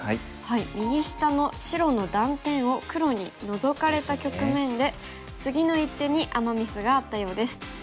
右下の白の断点を黒にノゾかれた局面で次の一手にアマ・ミスがあったようです。